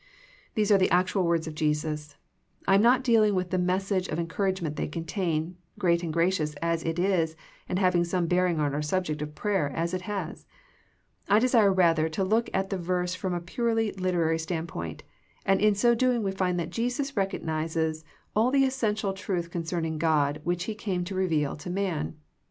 These are the actual words of Jesus. I am not dealing with the message of en couragement they contain, great and gracious as it is and having some bearing on our subject of prayer, as it has. I desire rather to look at the verse from a purely literary standpoint, and in so doing we find that Jesus recognizes all the essential truth concerning God which He came to reveal to man.